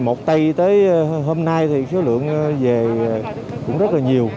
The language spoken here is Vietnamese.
một tây tới hôm nay thì số lượng về cũng rất là nhiều